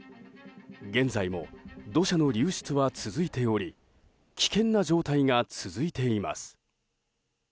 現在も土砂の流出は続いており危険な状態が続いています。